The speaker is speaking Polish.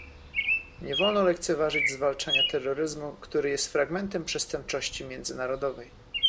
Nie wolno lekceważyć zwalczania terroryzmu, który jest fragmentem przestępczości międzynarodowej